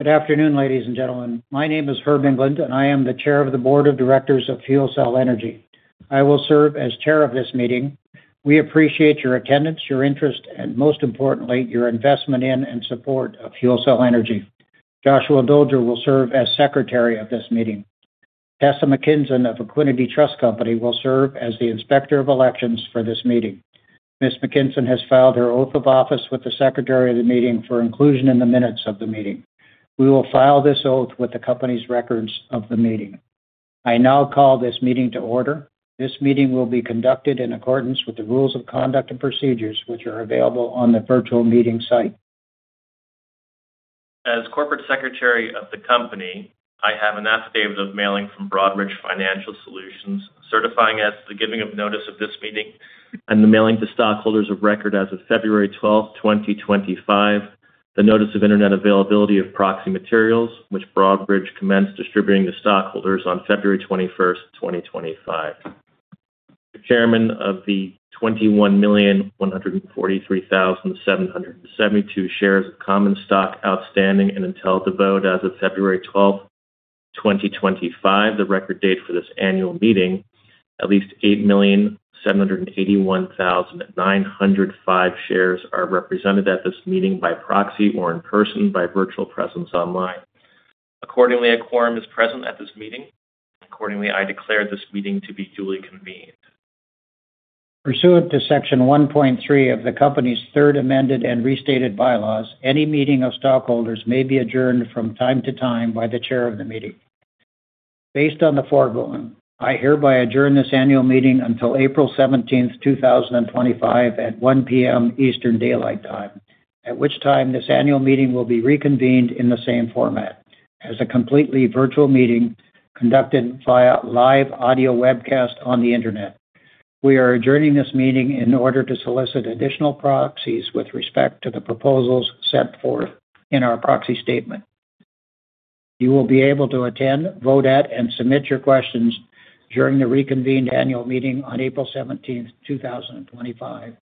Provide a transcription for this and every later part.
Good afternoon, ladies and gentlemen. My name is Herb England, and I am the Chair of the Board of Directors of FuelCell Energy. I will serve as Chair of this meeting. We appreciate your attendance, your interest, and most importantly, your investment in and support of FuelCell Energy. Joshua Dolger will serve as Secretary of this meeting. Tessa MaKinson of Equiniti Trust Company will serve as the Inspector of Elections for this meeting. Ms. McKinson has filed her oath of office with the Secretary of the meeting for inclusion in the minutes of the meeting. We will file this oath with the company's records of the meeting. I now call this meeting to order. This meeting will be conducted in accordance with the rules of conduct and procedures which are available on the virtual meeting site. As Corporate Secretary of the company, I have an affidavit of mailing from Broadridge Financial Solutions certifying as the giving of notice of this meeting and the mailing to stockholders of record as of February 12, 2025, the notice of internet availability of proxy materials which Broadridge commenced distributing to stockholders on February 21, 2025. The Chairman Of the 21,143,772 shares of common stock outstanding and entitled to vote as of February 12, 2025, the record date for this annual meeting, at least 8,781,905 shares are represented at this meeting by proxy or in person, by virtual presence online. Accordingly, a quorum is present at this meeting. Accordingly, I declare this meeting to be duly convened. Pursuant to Section 1.3 of the company's Third Amended and Restated Bylaws, any meeting of stockholders may be adjourned from time to time by the Chair of the meeting. Based on the foregoing, I hereby adjourn this annual meeting until April 17, 2025, at 1:00 P.M. Eastern Daylight Time, at which time this annual meeting will be reconvened in the same format as a completely virtual meeting conducted via live audio webcast on the internet. We are adjourning this meeting in order to solicit additional proxies with respect to the proposals set forth in our proxy statement. You will be able to attend, vote at, and submit your questions during the reconvened annual meeting on April 17, 2025,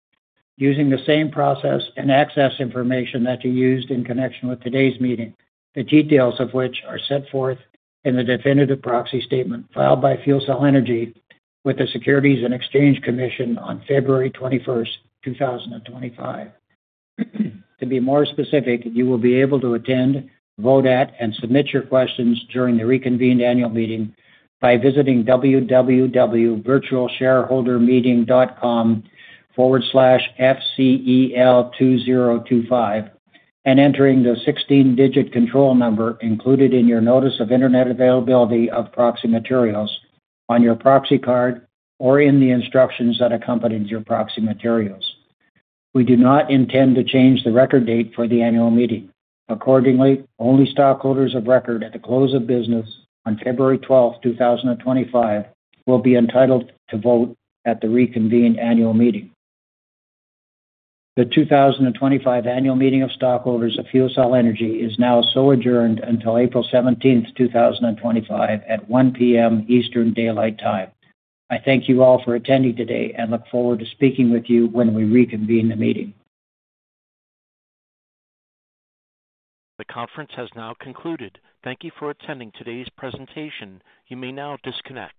using the same process and access information that you used in connection with today's meeting, the details of which are set forth in the definitive proxy statement filed by FuelCell Energy with the Securities and Exchange Commission on February 21, 2025. To be more specific, you will be able to attend, vote at, and submit your questions during the reconvened annual meeting by visiting www.virtualshareholdermeeting.com/FCEL2025 and entering the 16-digit control number included in your notice of internet availability of proxy materials on your proxy card or in the instructions that accompany your proxy materials. We do not intend to change the record date for the annual meeting. Accordingly, only stockholders of record at the close of business on February 12, 2025, will be entitled to vote at the reconvened annual meeting. The 2025 annual meeting of stockholders of FuelCell Energy is now so adjourned until April 17, 2025, at 1:00 P.M. Eastern Daylight Time. I thank you all for attending today and look forward to speaking with you when we reconvene the meeting. The conference has now concluded. Thank you for attending today's presentation. You may now disconnect.